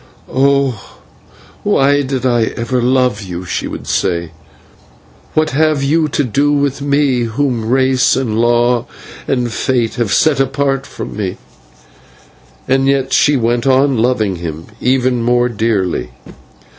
"Oh! why did I ever love you?" she would say. "What have you to do with me, whom race and law and fate have set apart from me?" And yet she went on loving him even more dearly.